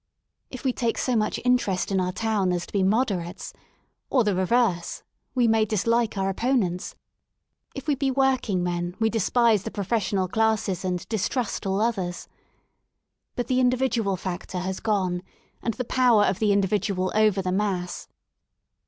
If we take so much interest in our town as to be Moderates — or the reverse — we may dislike our opponents. If we be working men we despise the professional classes and distrust all others. But the individual factor has gone and the power of the individual over the mass.